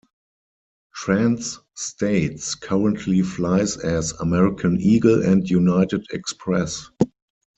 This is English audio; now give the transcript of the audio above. Trans States currently flies as American Eagle and United Express.